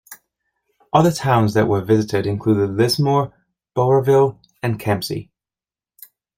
Other towns that were visited include Lismore, Bowraville and Kempsey.